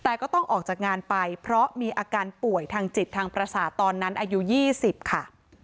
แต่ก็ต้องออกจากงานไปเพราะมีอาการป่วยทางจิตทางประสาทตอนนั้นอายุ๒๐ค่ะ